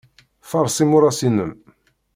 Faṛes imuras-inem.